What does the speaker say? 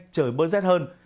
trời bớt z hơn